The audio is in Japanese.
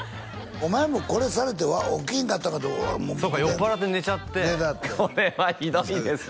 お前もこれされて起きんかったんかってそうか酔っぱらって寝ちゃってこれはひどいですね